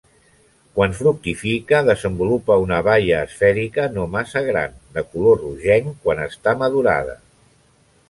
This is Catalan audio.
Quan fructifica desenvolupa una baia esfèrica no massa gran, de color rogenc quan està madurada.